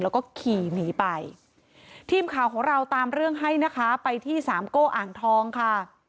แล้วก็ขี่หนีไปทีมข่าวของเราตามเรื่องให้นะคะไปที่สามโก้อ่างทองค่ะ